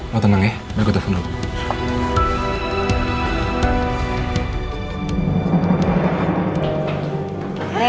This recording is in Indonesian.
siapa yang ulang tahun hari ini